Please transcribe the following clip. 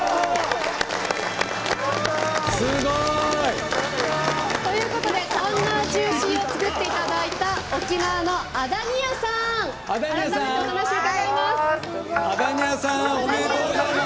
すごい！ということでタンナージューシーを作っていただいた沖縄の安谷屋さんにお話を伺います。